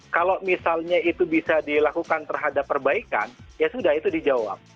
kalau misalnya itu bisa dilakukan terhadap perbaikan ya sudah itu dijawab